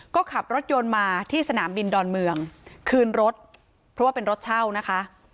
ก็ขับรถยนต์มาที่สนามบินดอนเมืองคืนรถเพราะว่าเป็นรถเช่านะคะ